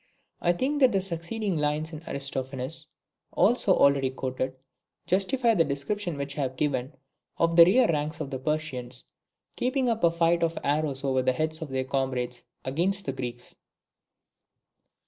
I think that the succeeding lines in Aristophanes, also already quoted, justify the description which I have given of the rear ranks of the Persians keeping up a flight of arrows over the heads of their comrades against the Greeks.